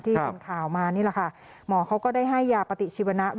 ที่เป็นข่าวมานี่แหละค่ะหมอเขาก็ได้ให้ยาปฏิชีวนะ